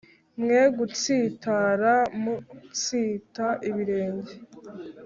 mwe gutsitara mutsita ibirenge